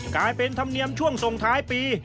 กลายเป็นธรรมเนียมช่วงส่งท้ายปี